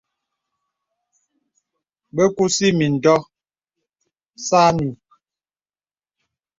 Bə kūsì mìndɔ̄ɔ̄ sâknì.